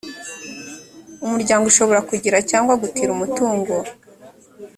umuryango ushobora kugira cyangwa gutira umutungo